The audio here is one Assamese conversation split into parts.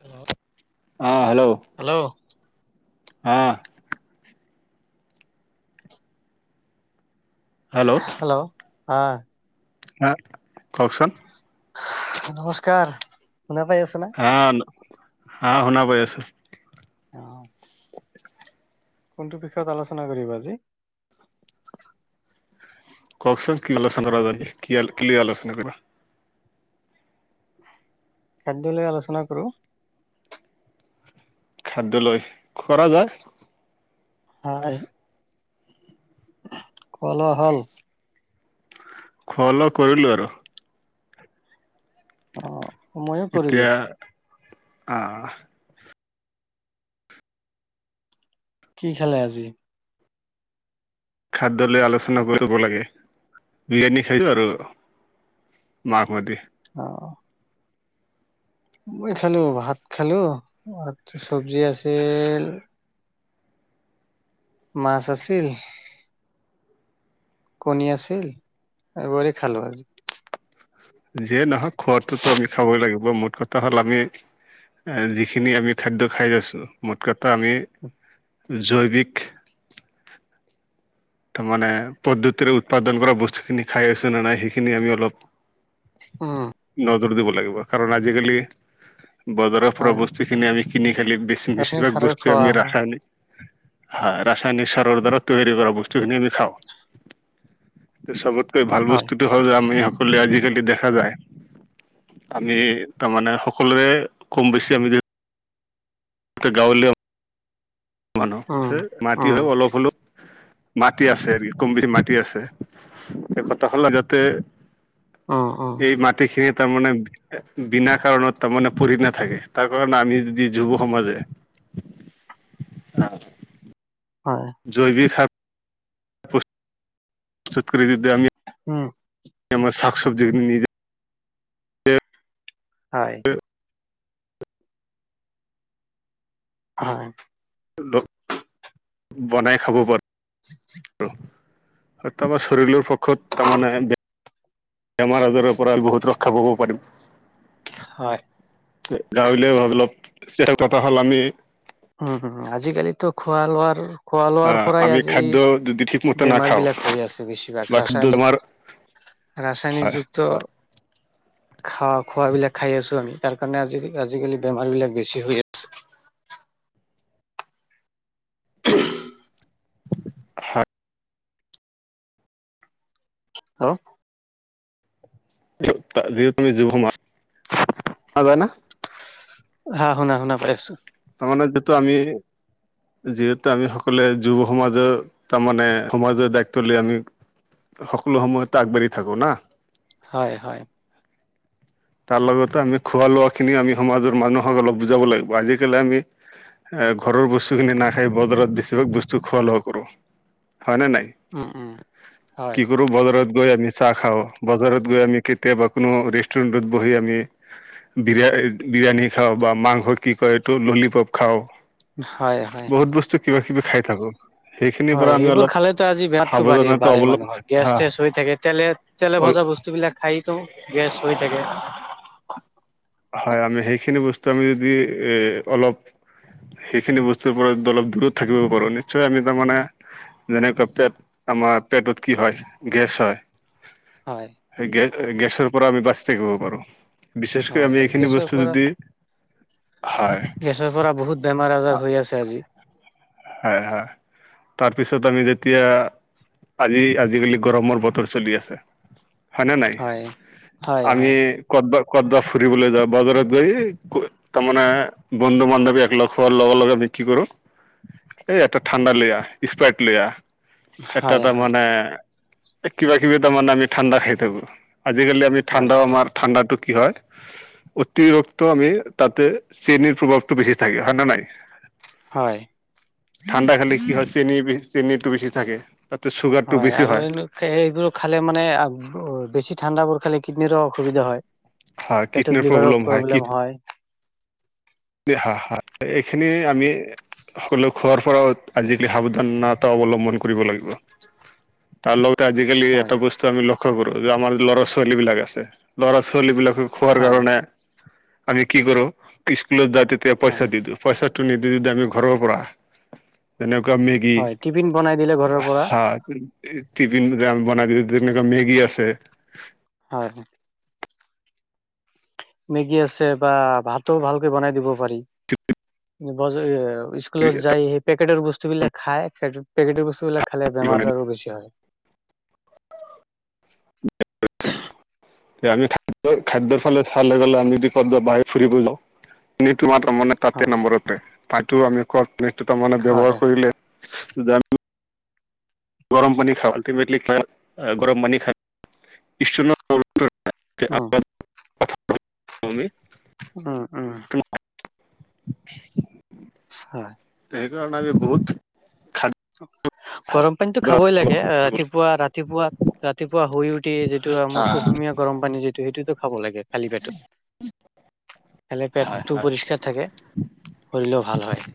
হেল্ল'। অ হেল্ল'। হেল্ল'। অ'। হেল্ল'। হেল্ল' অ'। হা কওকচোন নমস্কাৰ শুনা পাই আছে। হা আ শুনা পাই আছো। অ, কোনটো বিষয়ত আলোচনা কৰিবা আজি। কওকচোন কি আলোচনা আছে ন কি ক্লি আলোচনা কৰিবা। খাদ্যলৈ আলোচনা কৰোঁ খাদ্য লৈ খৰা যাক। হয়। কলা হ'ল। খোৱা লোৱা কৰিলোঁ আৰু। অ, ময়ো কৰিলো এতিয়া, আহ'। কি খালে আজি? খাদ্য লৈ আলোচনা কৰি লাগে বিৰিয়ানী খালো আৰু মাংস দি। অ, মই খালো ভাত খালো আৰু ছৱজি আছিল। মাছ আছিল। কণী আছিল এইবোৰে খালো আজি যিয়ে নহওক খোৱা ত' তই আমি খাবই লাগিব, মূল কথাটো। যিখিনি আমি খাদ্য খাই আছোঁ, মূল কথা আমি জৈৱিক। তাৰ মানে পদ্ধতিৰে উৎপাদন কৰা বস্তুখিনি খাই আছো নে নাই সেইখিনি আমি অলপ উম নজৰ দিব লাগিব কাৰণ আজিকালি বজাৰৰ পৰা হয় আমি কিনি খোৱা ৰাসায়নিক বেছিভাগ সাৰৰ বস্তু খোৱা ৰাসায়নিক ৰাসায়নিক সাৰৰ দ্বাৰত তৈয়াৰী কৰা বস্তুখিনি আমি খাওঁ চবতকৈ ভাল হয় বস্তুতটো হ যে আমি সকলোৱে আজিকালি দেখা যায়। আমি তাৰমানে সকলোৰে কম বেছি আমি গাঁৱলীয়া মানুহ উম মাটি উম হয় অলপ হ'লেও মাটি আছে কম বেছি মাটি আছে এতিয়া কথা হ'ল যাতে। উম উম এই মাটিখিৰ তাৰমানে বিনা কাৰণত তাৰমানে পৰি নাথাকে তাৰ কাৰণে আমি যদি যুৱ সমাজে অ, হয় জৈৱিক খাৰ পু প্ৰস্তুত কৰি যদি আমি। উম, আমাৰ শাক চবযি খিনি নিজে। হয় হয় বনাই খাব পাৰে [inaudible] তাৰমানে শৰীৰৰ পক্ষত তাৰমানে। বেমাৰ আজাৰৰ পৰা বহুত ৰক্ষা পাব পাৰিম। হয়। গাঁৱলীয়া হল কথা হ'ল আমি। উম, হু আজিকালিতো খোৱা লোৱাৰ। খোৱা লোৱাৰ আহ পৰাই আমি আজি খাদ্য যদি ঠিকমতে নাখাওঁ বেমাৰবিলাক হৈ আছে বেছিভাগ বা খাদ্য আমাৰ ৰাসায়নিক। ৰাসায়নিক যুক্ত খোৱা খোৱাবিলাক খাই আছো আমি, তাৰ কাৰণে আজি আজিকালি বেমাৰ বিলাক বেছি হৈ আছে। [inaudible] দি তুমি, [unintelligible] যায় না? হা শুনা-শুনা পাই আছো। তাৰমানে যিহেতু আমি যিহেতু আমি সকলোৱে যুৱ সমাজৰ তাৰমানে সমাজৰ দায়িত্ব লৈ আমি সকলো সময়তে আগবাঢ়ি থাকো না। হয়, হয়। তাৰ লগতে আমি খোৱা লোৱা-খিনিও আমি সমাজৰ মানুহক অলপ বুজাব লাগিব আজি আজাকালি আমি এ ঘৰৰ বস্তুখিনি নাখাই বজাৰত বেছিভাগ বস্তু খোৱা-লোৱা কৰো। হয়নে নাই? উম, উম, হয়। আৰু বজাৰত গৈ আমি চাহ খাওঁ, বজাৰত গৈ আমি কেতিয়াবা কোনো ৰেষ্টুৰেণ্টত বহি আমি বিৰিয়া বিৰিয়ানী খাওঁ বা মাংস কি কয় টো ললিপপ খাও, হয় হয় বহুত বস্তু কিবা কিবি খাই থাকো। হয় সেইবোৰ খালেতো আজি বেমাৰতো বাঢ়ি সাৱধানতা বাঢ়ে অৱলম্ব মানুহৰ, হা গেছ-থেছ হৈ থাকে তেলে-তেলে অল ভজা বস বস্তুবিলাক খাইতো গেছ হৈ থাকে। হয় আমি সেইখিনি বস্তু আমি যদি এ অলপ সেইখিনি বস্তুৰ পৰা অলপ দূৰত থাকিব পাৰো নিশ্চয় আমি তাৰ মানে যেনেকুৱা পেট আমাৰ পেটত কি হয় গেছ হয়। হয়। সেই গে গেছৰ পৰা আমি বাচি থাকিব পাৰো, বিশে হয় আমি এইখিনি গেছৰ বস্তু পৰা যদি, হয়। পৰা বহুত বেমাৰ আজাৰ হৈ আছে আজি। হয়, ‌ হয়, তাৰপিছত আমি যেতিয়া আজি আজিকালি গৰমৰ বতৰ চলি আছে। হয়নে নাই, হয় হয় আমি হয় কতবা-কতবা ফুৰিবলৈ যাওঁ বজাৰত গৈ তাৰমানে বন্ধু-বান্ধৱী এক লগ হোৱাৰ লগে-লগে আমি কি কৰো? এই এটা ঠাণ্ডা লৈ আহ, স্প্ৰাৰইট লৈ আহ, এটা হয় হয় তাৰমানে এ কিবা কিবি তাৰমানানে আমি ঠাণ্ডা খাই থাকো, আজিকালি আমি হয় ঠাণ্ডাও আমাৰ ঠাণ্ডাটো কি হয় অতিৰিক্ত আমি তাতে চেনিৰ প্ৰভাৱটো বেছি থাকে, হয় নে নাই? হয়। ঠাণ্ডা খালে কি হয় চেনি-চেনীটো বেছি থাকে। তাতে চুগাৰ হয় আৰু এইবোৰ খালে মানে বেছি ঠাণ্ডাবোৰ খালে কিডনীৰো অসুবিধা হয়। পেটত লিভাৰৰ প্ৰব্লেম হয়। হয়, হয়, এইখিনি আমি সকলো খোৱাৰ পৰাও আজিকালি সাৱধানতা অৱলম্বন কৰিব লাগিব। তাৰ লগতে আজিকালি হয় এটা বস্তু আমি লক্ষ্য কৰো যে আমাৰ ল'ৰা-ছোৱালী বিলাক আছে, ল'ৰা-ছোৱালী বিলাকক খোৱাৰ হয় কাৰণে আমি কি কৰোঁ? [unintelligible] তেতিয়া পইচা হয় দি দিওঁ পইচাটো নিদি যদি আমি ঘৰৰ পৰা তেনেকুৱা মেগী হয় টিফিন বনাই দিলে ঘৰৰ পৰা টিফিন যে আমি বনাই দিও যেনেকুৱা মেগী আছে। হয়, হয়। মেগী আছে বা ভাতো ভালকে বনাই দিব পাৰি। [inaudible] বজ স্কুলত যাই সেই পেকেটৰ বস্তু বিলাক খায়, পেকেটৰ বস্তু বিলাক খালে বেমাৰ আৰু বেছি হয়। [inaudible] এ, আমি খাদ্যৰ খাদ্যৰ ফালে চাবলৈ গ'লে আমি বাহি ফুৰিব যাওঁ এইটো তাৰমানে তাতে হয় নাম্বৰতে তাতো আমি কোৱা তাৰমানে ব্যৱহাৰ হয় কৰিলে জান, গৰম পানী খাওঁ আল্টিমেট গৰম পানী খাও উম [unintelligible] [unintelligible] উম, উম। [inaudible] হয়। সেই কাৰণে আমি বহুত খাদ্য গৰম পানীটো খাবই লাগে, ৰাতিপুৱা ৰাতিপুৱা ৰাতিপুৱা শুই উঠি যিটো আমাৰ কুহুমীয়া গৰম পানী যিটো সেইটোতো খাব লাগে খালি পেটত। খালে হয় পেটটো হয় পৰিষ্কাৰ থাকে শৰীৰও ভাল হয়।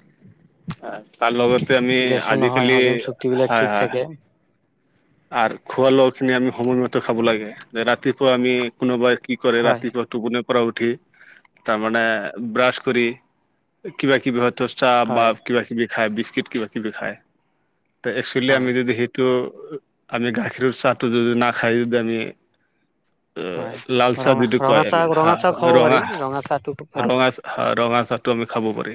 তাৰ লগতে আমি গেছো নহয় আজিকালি হজম চুক্তি বিলাক ঠিক হয়, হয়। থাকে আৰু খোৱা লোৱা খিনি আমি সময়মতে খাব লাগে যে ৰাতিপুৱা আমি কোনোবাই কি কৰে হয় ৰাতিপুৱাটো কোনে পৰা উঠি তাৰমানে ব্ৰাছ কৰি কিবা কিবি হয়তো চাহ বা হয় কিবা কিবি খাই বিস্কিট কিবা কিবি খায় ত একচুৱেলি আমি হয় যদি সেইটো আমি গাখীৰৰ চাহটো যদি নাখায় যদি আমি হয় লালচাহ ৰঙা যিটো কয় ৰঙা এম চাহ ৰঙা চাহ হ খাব পাৰি ৰঙা চাহটো খুব ভাল ৰঙা ৰঙা চাহটো আমি খাব পাৰি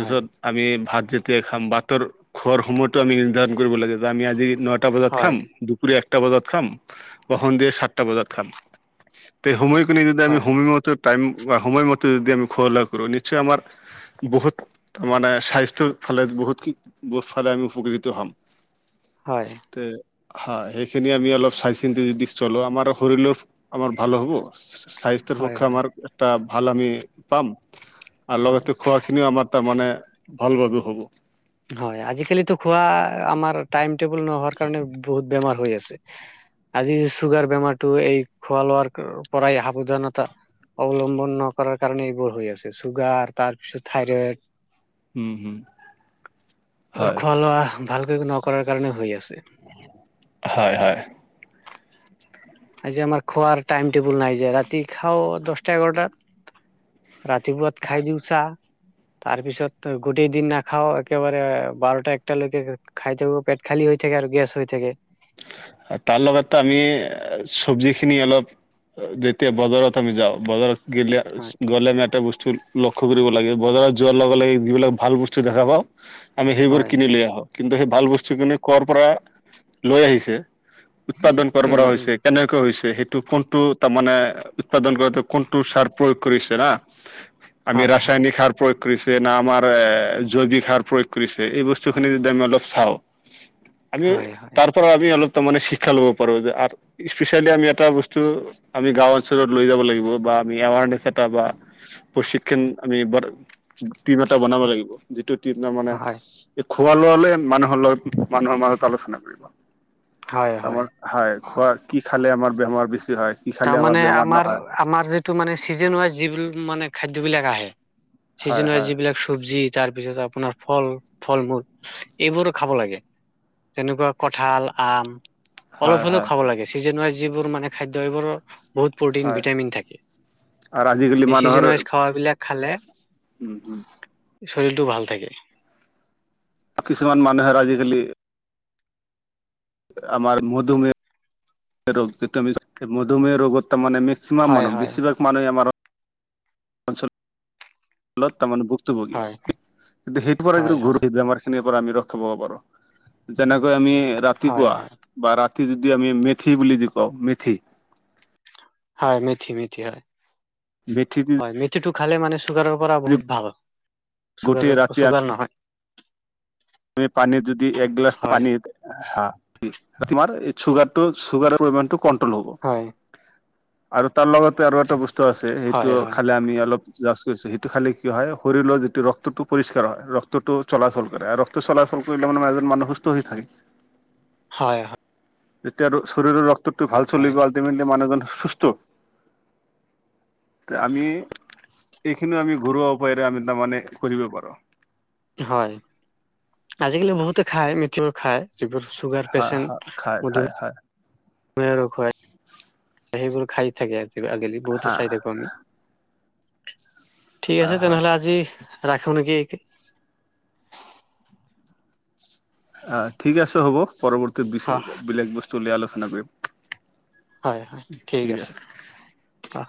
হয় আমি ভাত যেতিয় খাম ভাতৰ খোৱাৰ সময়তো আমি নিৰ্ধাৰণ কৰিব লাগে য আমি আজি ন নটা বজাত হয় খাম দুপুৰী একটা বজাত খাম বা সন্ধিয়া সাতটা বজাত খাম। তে সময়খিনি যদি আমি হয় সময়মতে টাইম বা সময়মতে যদি আমি খোৱালা কৰো নিশ্চয় আমাৰ বহুত মানে স্বাস্থ্যৰ ফালে বহুত [unintelligible] ফালে আমি উপকৃত হ'ম। হয়। তে হা সেইখিনি আমি অলপ চাই চিন্তি যদি চলো আমাৰ শৰীৰলৈ আমাৰ ভাল হ'ব। স্বাস্থ্যৰ হয় পক্ষে হয় আমাৰ এটা ভাল আমি পাম আৰু হয় লগতে খোৱাখিনিও আমাৰ তাৰমানে ভাল ভাৱে হ'ব। হয় আজিকালিতো খোৱা আমাৰ টাইম টেবুল নহোৱাৰ কাৰণে বহুত বেমাৰ হৈ আছে আজি চুগাৰ বেমাৰটো এই খোৱা লোৱাৰ পৰাই সাৱধানতা অৱলম্বন নকৰাৰ কাৰণে এইবোৰ হৈ আছে চুগাৰ তাৰপিছত থাইৰইড উম, হম। আৰু হয় খোৱা লোৱা ভালকৈ নকৰাৰ কাৰণে হৈ আছে। হয়, হয়। যে আমাৰ খোৱাৰ টাইম টেবল নাই যে ৰাতি খাও দহটা এঘাৰটাত ৰাতিপুৱাত খাই দিউ চাহ তাৰ পিছত গোটেই দিন নাখাও একেবাৰে বাৰটা একটালৈকে খাই থাকো পেট খালী হৈ থাকে আৰু গেছ হৈ থাকে। তাৰ লগতো আমি চব্জি খিনি অলপ যেতিয়া বজাৰত আমি যাওঁ বজাৰত গলে হয় গ'লে আমি এটা বস্তু লক্ষ্য কৰিব লাগে বজাৰত যোৱাৰ লগে লগে যিবিলাক ভাল বস্তু দেখা পাওঁ আমি সেইবোৰ হয় কিনি লৈ আহো। কিন্তু সেই ভাল বস্তুখিনি কৰ পৰা লৈ আহিছে উৎপাদন কৰ উম পৰা উম হৈছে কেনেকৈ হৈছে সেইটো কোন টো তাৰমানে উৎপাদন কৰাতে কোনটো সাৰ প্ৰয়োগ কৰিছে না আমি হয় হয় ৰাসায়নিক সাৰ প্ৰয়োগ কৰিছে না আমাৰ এ জৈৱিক সাৰ প্ৰয়োগ কৰিছে এই বস্তু খিনি যদি আমি অলপ চাওঁ [inaudible] আমি হয় তাৰ পৰা আমি অলপ তাৰমানে শিক্ষা ল'ব পাৰো যে স্পেচিয়েলি আমি এটা বস্তু আমি গাও অঞ্চলত লৈ যাব লাগিব বা আমি এৱাৰনেছ এটা বা প্ৰশিক্ষণ আমি টিম এটা বনাব লাগিব। যিটো টীম মানে হয় এই খোৱা লোৱা লৈ মানুহৰ লগত মানুহৰ মাজত আলোচনা কৰিব। আমাৰ হয় খোৱা কি খালে আমাৰ বেমাৰ বেছি হয়। কি তাৰ খালে আমাৰ মানে বেমাৰ নহয় আমাৰ-আমাৰ যিটো মানে চিজন হয় যিবিলাক মানে খাদ্যবিলাক আহে। চিজন হয় যিবিলাক চব্জি তাৰ পিছত আ আপোনাৰ ফল-ফল মূল এইবোৰো খাব লাগে। তেনেকুৱা কঠাল, আম। অলপ হয় হ'লেও হয় খাব লাগে। ছিজেন ৱাইজ যিবোৰ মানে খাদ্য সেইবোৰৰ বহুত প্ৰটিন, হয় ভিটামিন থাকে। আৰু আজিকালি এই মানুহৰ ছিজেন ৱাইজ খাৱা বিলাক খালে উম উম শৰীৰটো ভাল থাকে। কিছুমান মানুহৰ আজিকালি আমাৰ মধুমেহ ৰোগ যিটো আমি মধুমেহ ৰোগত তাৰমানে মেক্সিমান হয় মানুহ হয় বছিভাগ মানুহে আমাৰ [unintelligible] মানে ভূক্তভোগী, হয় কিন্তু সেইটো পৰা হয় হয় [unintelligible] আমাৰ সিখিনিৰ পৰা আমি ৰক্ষা পাব পাৰো, যেনেকৈ আমি হয় ৰাতিপুৱা হয় বা ৰাতি যদি আমি মেথি বুলি যে কওঁ মেথি হয় মেথি, মেথি হয়। বেঠি দি হয়, মেথিটো খালে মানে চুগাৰৰ পৰা বহুত ভাল। চুগাৰৰ পৰা চুগাৰ নহয়। তুমি পানীত যদি এক গ্লাছ হয় পানীত হা, তোমাৰ এই চুগাৰটো চুগাৰৰ পৰিমাণটো কণ্ট্ৰল হ'ব, হয়। আৰু তাৰ লগতে আৰু এটা বস্তু আছে সেইটো হয় হয় খালে আমি অলপ জাষ্ট কৈছোঁ, সেইটো খালি কি হয় শৰীৰৰ যিটো ৰক্তটো পৰিষ্কাৰ হয়, ৰক্তটো চলাচল কৰে আৰু ৰক্ত চলাচল কৰিলে মানে এজন মানুহ সুস্থ হৈ থাকে। হয়, হয়। যেতিয়া আৰু শৰীৰৰ ৰক্তটো ভাল হয় চলিব আলটিমেটলি মানুহজন সুস্থ। [inaudible] তে আমি এইখিনি আমি ঘৰুৱা উপায়েৰে আমি তাৰমানে কৰিব পাৰো। হয়, আজিকালি বহুতে খায় মিথিবোৰ খায়। যিবোৰ চুগাৰ হয় হয় পেচেণ্ট, খাই মধু খাই হয় ৰ খুৱাই সেইবোৰ খাই থাকে, [unintelligible] হা বহুতো চাই থাকোঁ আমি। ঠিক হয় আছে তেনেহ'লে আজি ৰাখোঁ নেকি? অ', ঠিক আছে হ'ব, পৰৱৰ্তী হয়। বেলেগ বস্তু লৈ আলোচনা কৰিম। হয়, হয় ঠিক আছে, অ'।